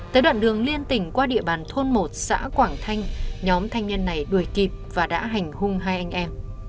tới đoạn đường liên tỉnh qua địa bàn thôn một xã quảng thanh nhóm thanh niên này đuổi kịp và đã hành hung hai anh em